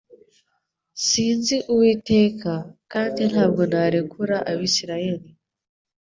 Sinzi Uwiteka, kandi ntabwo narekura Abisirayeli.»